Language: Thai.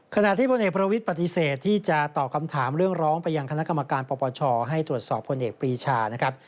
ขณะที่พลเอกประวิทย์ปฏิเสธที่จะตอบคำถามเรื่องร้องไปยังคณะกรรมการปปชให้ตรวจสอบพลเอกปรีชานะครับ